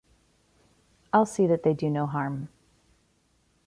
I'll see that they do no harm.